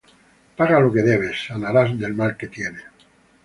Paga lo que debes, sanaras del mal que tienes.